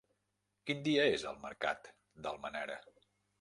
Quin dia és el mercat d'Almenara?